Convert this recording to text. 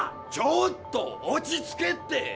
ちょっと落ち着けって！